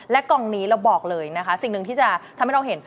กล่องนี้เราบอกเลยนะคะสิ่งหนึ่งที่จะทำให้เราเห็น